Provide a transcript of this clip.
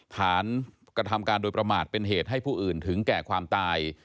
ฐานกระทำการโดยประมาทเป็นเหตุให้ผู้อื่นถึงแก่ความตาย